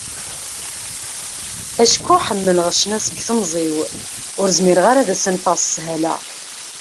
Acku ḥemmleɣ ccna seg temẓi-w, ur zmireɣ ara ad as-anfeɣ s sshala.